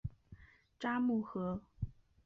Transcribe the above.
札木合。